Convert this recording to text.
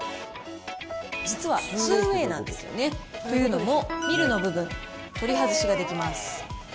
実は２ウエイなんですよね。というのも、ミルの部分、取り外しができます。